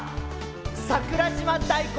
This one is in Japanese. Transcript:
桜島大根。